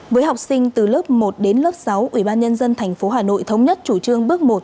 với học sinh từ lớp một sáu ủy ban nhân dân thành phố hà nội thống nhất chủ trương bước một